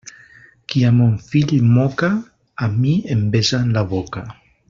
Qui a mon fill moca, a mi em besa en la boca.